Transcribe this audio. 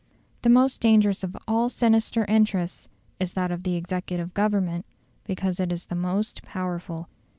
The most dangerous of all sinister interests is that of the executive Government, because it is the most powerful.